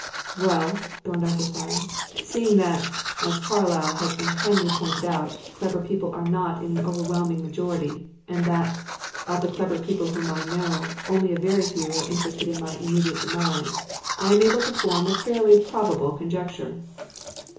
"Well," Thorndyke replied, "seeing that, as Carlyle has unkindly pointed out, clever people are not in an overwhelming majority, and that, of the clever people whom I know, only a very few are interested in my immediate demise, I am able to form a fairly probable conjecture."